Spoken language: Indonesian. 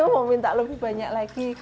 mau minta lebih banyak lagi